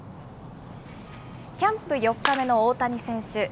キャンプ４日目の大谷選手。